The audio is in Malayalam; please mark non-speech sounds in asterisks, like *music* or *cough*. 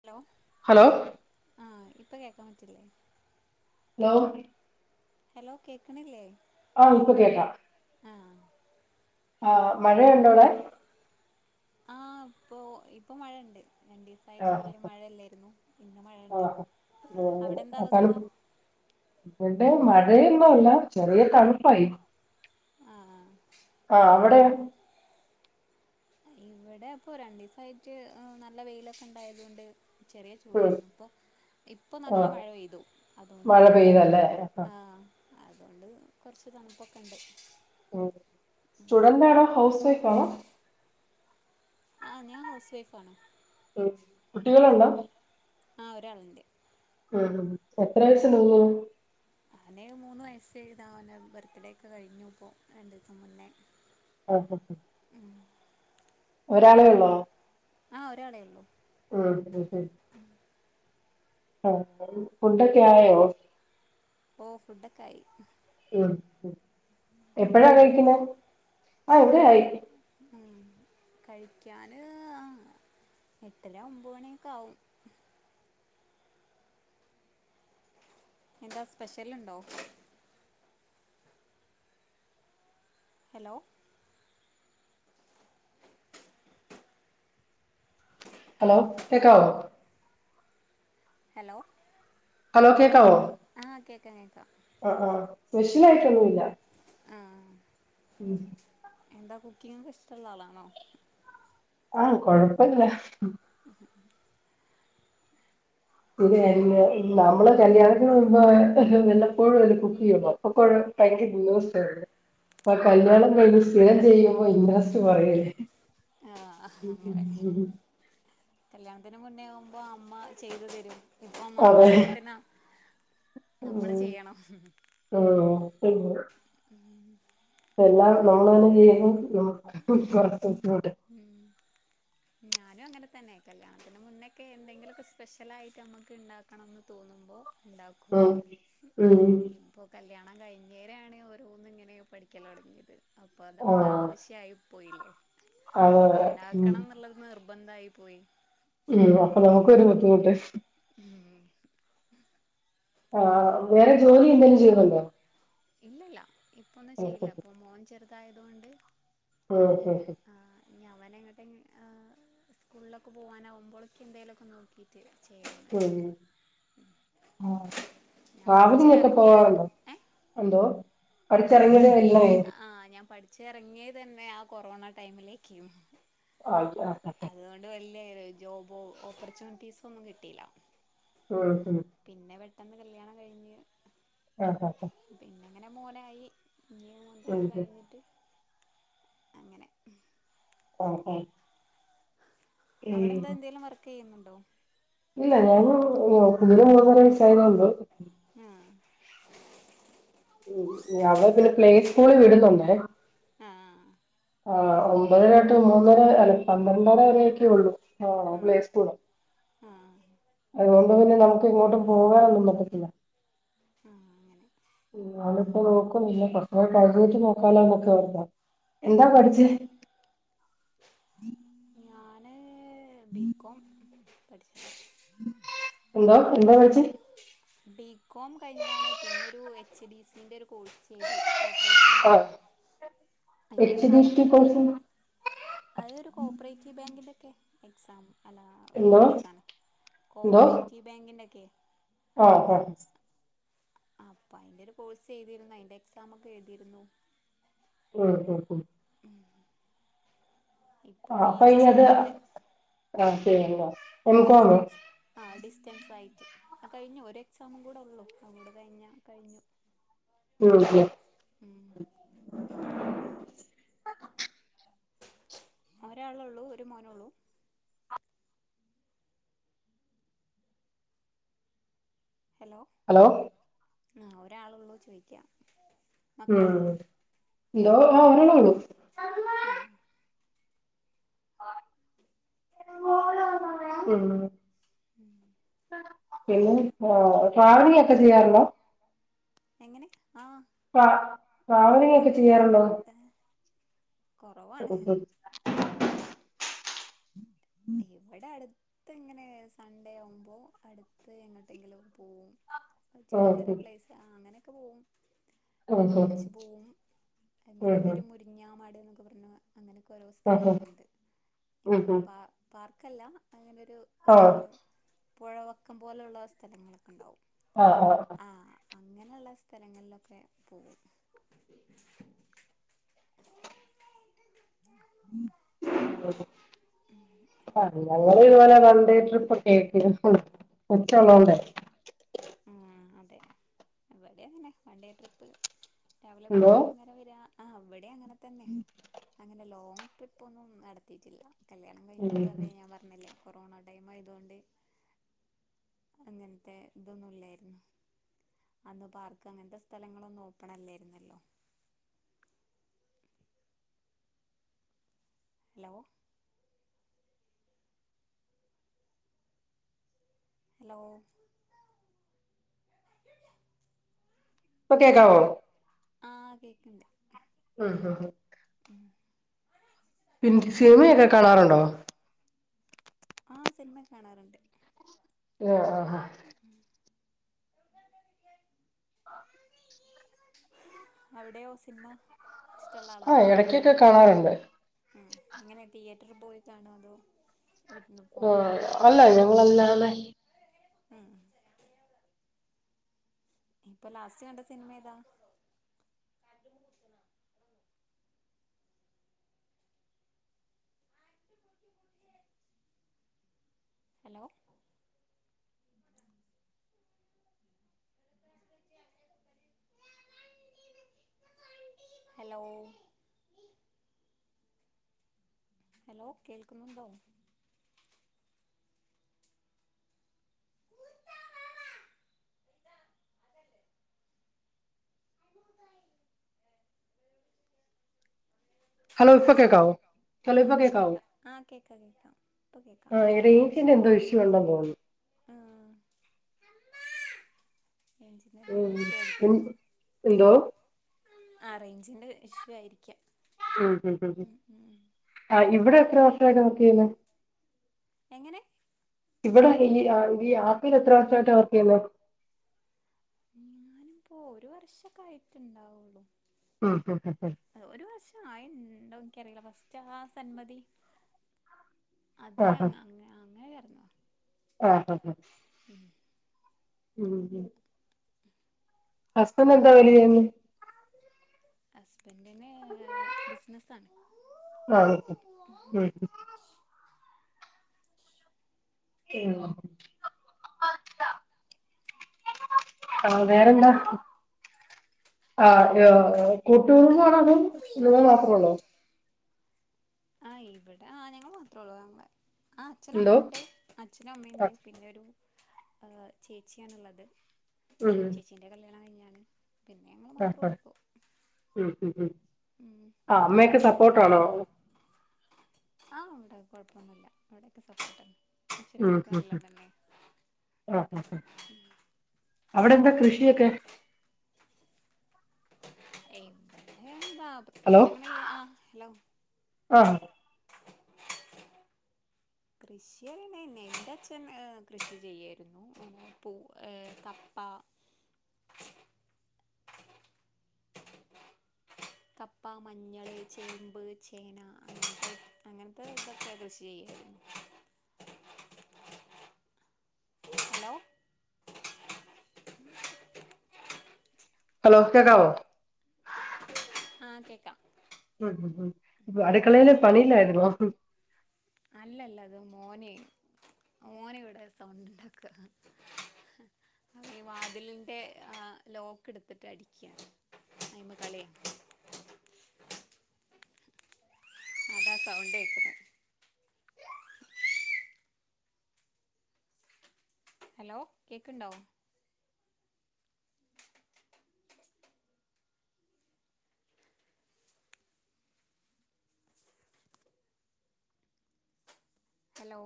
ഹലോ ഹലോ ആ ഇപ്പ കേൾക്കാൻ പറ്റില്ലേ ഹലൗ ഹലോ കേക്കണില്ലേ ആഹ് ഇപ്പൊ കേക്കാം ആ ആഹ മഴയുണ്ടോവിടെ ആ ഇപ്പോൾ ഇപ്പൾ മഴുണ്ട് രൻ ആ ഡിഫായിട്ട് വലിയ മഴയല്ലായിരുന്നു ഇന്ന് മഴ ഉണ്ട് ആണ് ഇവിടെ മഴയൊന്നുംല്ല ചെറിയ തണുപ്പായി ആ ആ അവിടെയോ ഇവിടെ അപ്പൊ രണ്ട് ദിവസയിട്ട് നല്ല വെയിലൊക്കെ ഇണ്ടായതുകൊണ്ട് ചെറിയ ഉം ചൂടായിരുന്നു ഇപ്പോ ഇപ്പോ ആ നല്ല മഴ പെയ്തു മഴ അതുകൊണ്ട് ആ *inaudible* അതുകൊണ്ട് കുറച്ച് തണുപ്പൊക്കെ ഉണ്ട് ഉ സ്റ്റുഡന്റ് ആണോ ഹൗസ് വൈഫ് ആണോ ആ ഞാൻ ഹൗസ് വൈഫ് ആണ് ഉ കുട്ടികള് ഉണ്ടോ ആ ഒരാളുണ്ട് ആ എത്രാവയസ്സാവുന്നു അവന് മൂന്ന് വസ്സ് എഴുതാവൻ ബർത്ത്ഡേ ഒക്കെ കഴിഞ്ഞു ഇപ്പോൾ രണ്ടു ദിവസം മുന്നേ ഓ ഒരാളേ ഉള്ളോ ആ ഒരാളേള്ളൂ ആ അത് ശരി ആ ഫുഡൊക്കെ ആയോ ഓ ഫുഡൊക്കെ ആയി എപ്പഴാ അവിടെ കഴിക്കുന്നത് ആ ഇവിടെ ആയി ഉ കഴിക്കാന് ആ എട്ടര ഒമ്പ മണിയൊക്കെ ആവും എന്താ സ്പെഷ്യൽണ്ടോ ഹലോ ഹലോ കേക്കാവോ ഹലോ ഹലോ കേക്കാവോ ആ കേക്ക കേക്കാം ആ ആ സ്പെഷ്യൽ ആയിട്ടൊന്നുല്ല ആ ഉം എന്താ കുക്കിങ് ഒക്കെ ഇഷ്ടള്ള ആളാണോ ആ കൊഴപ്പല്ല ഇത നമ്മള് കല്യാണത്തിന് മുമ്പോ വല്ലപ്പോഴും അല്ല കുക്ക് ചെയ്യോ അപ്പൊക്ക ഭയങ്കര ഇന്റെറെസ്റ്റ്‌ ആര്ന്നു ഇപ്പൊ കല്ല്യാണം കഴിഞ്ഞ് സ്ഥിരം ചെയ്യുമ്പോ ഇൻട്രസ്റ്റ് കുറയുലെ ആ ഉ ഉ അതിന് മുന്നേ ആകുമ്പോ അമ്മ ചെയ്തു തരും ഇപ്പൊ നമ്മട അതെ ആവശ്യത്തിന് നമ്മൾ ഉം ചെയ്യണം ആ ശെരിയ എല്ലാം നമ്മൾ തന്നെ ഞാൻ ചെയ്യുന്നു ഞാനും അങ്ങനെതന്നെ തന്നെ കല്യാണത്തിന് മുന്നേക്കെ എന്തെങ്കിലുമൊക്കെ സ്പെഷ്യലായിട്ട് നമുക്ക് ഉണ്ടാക്കണംന്ന് തോന്നുമ്പോ ഉണ്ടാക്കും ഉം ഉം ഇപ്പോ കല്യ കല്യാണം കഴിഞ്ഞോരാണ് ഓരോന്നും ഇങ്ങനെ പഠിക്കല് തുടങ്ങിയത് അപ്പോൾ നമ്മടെ ആവശ്യമായി പോയില്ലെ അത ഉം നിർബന്ധം ആയി പോയി ഉം അപ്പൊ നമുക്കും ഒരു ബുദ്ധിമുട്ട് ഉം. ആ വേറെ ജോലി എന്തെലും ചെയ്യുന്നുണ്ടോ ഇല്ലില്ല ഇപ്പൊഒന്നും ചെയ്യില്ല ഇപ്പൊ മോൻ ചെറുതായതുകൊണ്ട് ആ ശെരി ശെരി അവൻഅങ്ങോട്ട് സ്കൂളിലൊക്കെ പോകാനാകുമ്പോഴേക്കെ എന്തെങ്കിലുമൊക്കെ നോക്കി ക്കിട്ട് ചെയ്യ ഉം ഉം ട്രാവലിങ്ങൊക്കെ പോവാറുണ്ടോ എന്തോ? ഞാൻ പ പഠിച്ചിറങ്ങിയത് എല്ലേ ആ ഞാൻ പഠിച്ച ഇറങ്ങിയ തന്നെ ആ കൊറോണ ടൈമിലേക്ക്, ആ ല്ല ജോബ് ഓപ്പർച്യൂണിറ്റീസ് ഒന്നും കിട്ടിയില്ല. ഉം ഉം പിന്നെ? പെട്ടെന്ന് കല്യാണം കഴിഞ്ഞ് ആഹ ആഹ ആ പിന്നെ അങ്ങനെ മോനായി ഇനി ഇത് ഉം കഴിഞ്ഞിട്ട് അങ്ങനെ ആ ആ അവിടെന്താ എന്തേലും വർക്ക് ചെയ്യുന്നുണ്ടോ? ഇല്ല ഞാൻ കുഞ്ഞിന് മൂന്നര വയസായതെയുള്ളു *inaudible* ഉം അവളെ പിന്നെ പ്ലേ സ്കൂളിൽ വിടുന്നുണ്ടേ, ആഹ് ആ ഒമ്പതരായിട്ട് മൂന്നര അല്ല പന്ത്രണ്ടര വരൊക്കെ ഉള്ളൂ. ആണോ ആഹ് പ്ലേസ്കൂള് ആഹ് അതുപോലെ പിന്നെ നമക്ക് ഇങ്ങോട്ടും പോകാനൊന്നും പറ്റത്തില്ല. ആ അങ്ങനെ ഞാനിപ്പോ നോക്കുന്നില്ല കുറച്ചുകഴിഞ്ഞിട്ട് നോക്കാല്ലൊന്നോർത്ത എന്താ ഉം പഠിച്ചേ? ഞാൻ ബികോം പഠിച്ചു എന്തോ എന്തോ പഠിച്? ബികോം കഴിഞ്ഞതാണ്, പിന്നെ ഒരു എച്ച് ഡി സിന്റെ ഒരു കോഴ്സ് ചെയ്തു. കോപ്പറേഷൻ ആ അതിന്റെ എച്ച് ഡി എക്സാമൊക്കെ ടി കോഴ്സ് എഴുതിരുന്നു. അത് ഒരു കോപ്പറേറ്റീവ് ബാങ്കിന്റെ ഓക്കെ എക്സാം അല്ല ഒരു എന്തോ കോഴ്സാണ് കോഓപ്പറേറ്റീവ് ബാങ്കിൻ്റെക്കെ ഹ ആഹ അപ്പൊ അയിന്റെ ഒരു കോഴ്സ് എഴുതിരുന്നു അതിന്റെ എക്സാം ഒക്കെ എഴുതിയിരുന്നു ഉം... ഉം ആ ഇപ്പോൾ പി അപ്പൊ ഇ അത് ആ ശരി. ആ ഡിസ്റ്റൻസ് ആയിട്ട് ഡിസ്റ്റെൻസ് ആയി അ കഴിഞ്ഞു ഒരു എക്സാമും കൂടെ ഉള്ളു അതു കൂടെ കഴിഞ്ഞാ കഴിഞ്ഞു. മ്മ് മ്മ്ഹ് ഉം ഒരാളുള്ളൂ ഒരു മോനെ ഉള്ളു. ഹലോ ഹലോ ആഹ് ഒരാളൊള്ളൂ ചോയ്ക്കാ ഉം ഇന്തോ ആ ഒരളൊള്ളു ആ ഉം ഉം *unintelligible* പിന്നെ ട്രാവലിംഗ ഒക്കെ ചെയ്യാറുണ്ടോ? എങ്ങനെ? ആ ട്ര ട്രാവലിങ്ങൊക്കെ ചെയ്യാറുണ്ടോ? ട്രാവലിംഗ് കുറവാണ്. ഉം ഇവിടെ അടുത്ത് ഇങ്ങനെ സൺഡേ ആവുമ്പോ അടുത്ത് എങ്ങോട്ടെങ്കിലും പോവും. ഉം ചെറിയ ചെറിയ ഉം പ്ലേസ് ആ അങ്ങനെ. ഉം ഉം ഉം ബീച്ച് പോവും അങ്ങനെ ഇവിടെ ഒരു മുരിങ്ങാ മാട്ന്നൊക്കെ പർഞ്ഞ അങ്ങനെക്കെ ഓരോ ഉം, ഉം, സ്ഥലങ്ങളിലുണ്ട്, ഉം, ഇങ്ങനെ ഉം. പ പാർക്കല്ല അങ്ങനെരു ആ പൊഴവക്കം പോലെള്ള സ്ഥലങ്ങളൊക്കെണ്ടാവും. ആ അ അ അങ്ങനെള്ള സ്ഥലങ്ങൾലൊക്കെ പോവും *inaudible* *inaudible* *unintelligible* വൺഡെ ട്രിപ് *unintelligible* ഉം ഊം അ തെ വെടെയങ്ങനെ വൺ ഡേ ട്രിപ്പ് രാവിലെ ഹലോ പോയിറ്റ് വൈന്നേരം വരാ ആ വെടെയങ്ങനതെന്നെ. അങ്ങന ലോംങ് ട്രിപ്പൊന്നും നടത്തീറ്റില്ല. കല്യാണം ഉം കഴിഞ്ഞിട്ടു അതെ ഞാ പറഞ്ഞില്ലേ കൊറോണ ടൈമായതോണ്ട് അങ്ങൻത്തെ തൊന്നുല്ലായിര്ന്നു അന്ന് പാർക്ക് അങ്ങൻത്ത സ്ഥലങ്ങളൊന്നു ഓപ്പണല്ലെയ്ര്ന്നല്ലൊ ലോ ഹല്ലോ പ്പ കേക്കാവോ? ആഹ് കേക്കണ്ട് ആഹ് ഹഹ് സിനിമയൊക്കെ കാണാറുണ്ടോ ആഹ് സിനിമ കാണാറുണ്ട് ആഹ് ആഹ് ആഹ ആഹ് അവിടെയോ സിനമ ആഹ് ഇടക്കൊക്കെ കാണാറുണ്ട് ഉം അങ്ങനെ തിയേറ്ററി പോയി കാണോ അതോ വീട്ടിന്ന് ഓരോ ഫോണിലോ നെലങ്ങളല്ലാതെ ഉം ഇപ്പൊ ലാസ്റ്റ് കണ്ട സിനിമ ഏതാ ഹലോ ഹലോ ഹലോ കേൾക്കുന്നുണ്ടോ ഹലോ ഇപ്പ കേക്കാവോ ആ ഹെലോ ഇപ്പോ ഇപ്പൊ കേകാവോ കേക്കാം ആ കേക്കാം കേക്കാം ഇപ്പൊ കേക്കാം ആഹ് റൈഞ്ചിന്റെ എന്തോ ഇഷ്യുണ്ടെന്ന് തോന്നുന്നു *inaudible* ആ റേഞ്ചിന്റെ ഉം എന്തെങ്കിലും ഇഷ്യൂ എന്ത് ആയിരിക്കും എനന്റോ ആ റേഞ്ചിന്റെ ഇഷ്യു ആയിരിക്കാം. ഉം ഉം ഉം ആ ഇവിടെ എത്ര വർഷായിട്ടാ വർക്ക് ചെയ്യുന്നേ എങ്ങനെ ഇവിടെ ഈ ഈ ആപ്പിൽ എത്ര വർഷായിട്ട വർക്ക് ചെയ്യുന്നെ ഞാൻ ഇപ്പോ ഒരു വർഷൊക്കെ ആയിട്ടുണ്ടാവുള്ളു. ഉം ഉം ഉം ഉം അ ഒരു വർഷ ആയിണ്ടൊ ഫസ്റ്റ് ആ സന്മതി അതില് ആഹ് അങ്ങ് അങ്ങ അങ്ങനെ ആഹ് ആഹ് ഉം ഉം ഹസ്ബന്റ് എന്താ ജോലി ചെയ്യുന്നേ ഹസ്ബൻഡിന് ബിസിനസ്സാണ് ആഹ് ഉം ഉം *inaudible* ഹലോ വേറെന്താ ആഹ ആഹ കൂട്ടുകുടുംബം ആണോ അതോ നിങ്ങൾ മാത്രം ഒള്ളോ ആ ഇവിടെ ആഹ് ഞങ്ങൾ മാത്രേ ഉള്ളൂ താങ്കളെ ആ അച്ഛനും എന്തോ അമ്മയുണ്ട് അച്ഛനും ആ അമ്മയുണ്ട്. പിന്നെ ഒരു ചേച്ചിയാണുള്ളത്. ചേച്ചീന്റെ കല്യാണം കഴിഞ്ഞ്. ആഹ് ആഹ് ഉം ഉം ഉം ആ അമ്മെക്കെ സപ്പോട്ടാണോ ആഹ് ഇവ്ടെ കൊഴപ്പൊന്നുല്ല അവിടെക്കെ സപ്പോട്ട അച്ചനു ഉം അമ്മക്ക ഉം ഉം നല്ലതന്നെ ആ ആ ആ അവിടെ എന്താ കൃഷിയൊക്കെ *unintelligible* എന്താ ഹലോ പ്രത്യേച്ച് അങ്ങനെ ആ ഹലോ ആ കൃഷിയറീണെന്നെ ഇന്റച്ഛൻ കൃഷി ചെയ്യാരുന്നു പു ആ കപ്പ കപ്പ മഞ്ഞൾ ചേമ്പ് ചേന അങ്ങ അങ്ങൻത്തെ ഇതൊക്കെ കൃഷി ചെയ്യും ഹലോ ഹലോ കേക്കാവോ ആഹ് കേക്കാം ഉം ഉ ഉം ഇപ്പ അടുക്കളേല് പണീലാര്ന്നോ അല്ലല്ല അത് മോനെ മോന് ഇവിടെ സൗണ്ട് ഉണ്ടാക്കുക അ വാതിലിന്റെ ആ ലോക്ക് എടുത്തിട്ട് അടിക്കയാണ് അ അതാ സൗണ്ടേക്ക്ന്നെ ഹലോ കേക്ക്ണ്ടോ ഹലോ